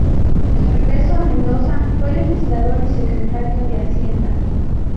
De regreso a Mendoza, fue legislador y secretario de hacienda.